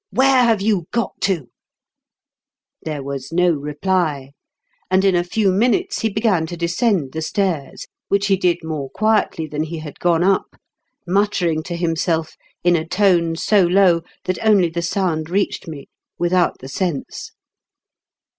'* Where have you got to ?" There was no reply, and in a few minutes he began to descend the stairs, which he did more quietly than he had gone up, muttering to himself in a tone so low that only the sound reached me, without the sense.